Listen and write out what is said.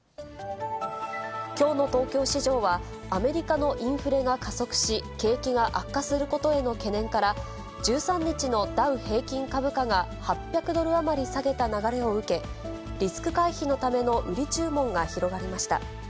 きょうの東京市場は、アメリカのインフレが加速し、景気が悪化することへの懸念から、１３日のダウ平均株価が８００ドル余り下げた流れを受け、リスク回避のための売り注文が広がりました。